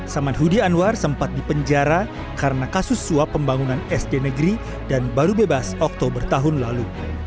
saman hudi anwar sempat dipenjara karena kasus suap pembangunan sd negeri dan baru bebas oktober tahun lalu